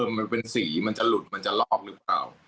มันเป็นสีมันจะหลุดมันจะลอกหรือเปล่า